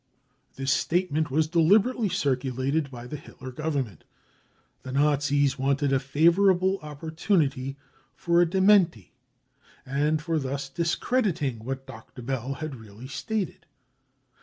This •statement was deliberately circulated by the Hitler Government. The Nazis wanted a favorable oppor tunity for a dementi and for thus discrediting what Dr. Bell had really stated.